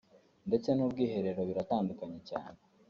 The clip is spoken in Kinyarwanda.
ndetse n’ubwiherero biratandukanye cyane